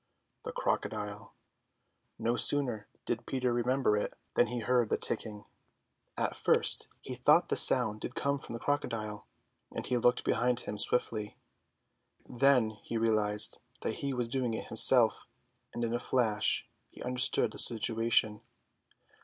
The crocodile! No sooner did Peter remember it than he heard the ticking. At first he thought the sound did come from the crocodile, and he looked behind him swiftly. Then he realised that he was doing it himself, and in a flash he understood the situation.